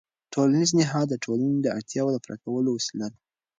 ټولنیز نهاد د ټولنې د اړتیاوو د پوره کولو وسیله ده.